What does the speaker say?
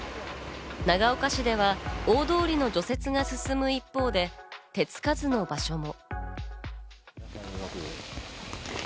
長岡市では大通りの除雪が進む一方で、手付かずの場所も。